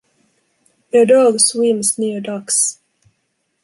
A dog swims near ducks.